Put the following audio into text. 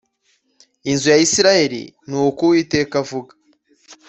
inzu ya Isirayeli Ni ko Uwiteka avuga